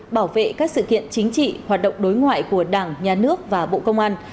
bảo vệ các sự kiện chính trị hoạt động đối ngoại của đảng nhà nước và bộ công an